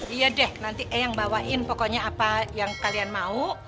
iya deh nanti eh yang bawain pokoknya apa yang kalian mau